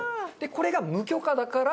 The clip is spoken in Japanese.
これが無許可だから。